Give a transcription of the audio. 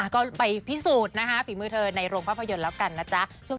ก็ไปพิสูจน์นะคะฝีมือเธอในโรงภาพยนตร์แล้วกันนะจ๊ะ